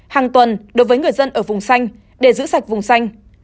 hàng tuần đối với người dân ở vùng xanh để giữ sạch vùng xanh